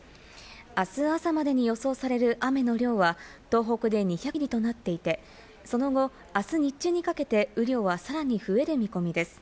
あす朝までに予想される雨の量は、東北で２００ミリとなっていて、その後、あす日中にかけて雨量はさらに増える見込みです。